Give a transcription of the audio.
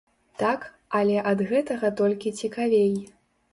Так, але ад гэтага толькі цікавей.